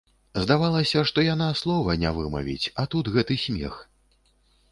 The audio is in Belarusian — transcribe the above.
Здавалася, што яна слова не вымавіць, а тут гэты смех!